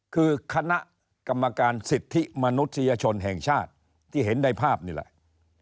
คือคณะกรรมการสิทธิมนุษยชนแห่งชาติที่เห็นในภาพนี่แหละ